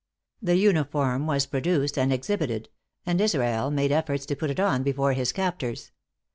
The uniform was produced and exhibited; and Israel made efforts to put it on before his captors.